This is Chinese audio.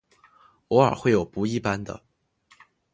偶尔会有不一般的。